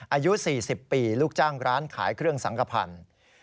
อายุ๔๐ปีลูกจ้างร้านขายเครื่องสังขพันธ์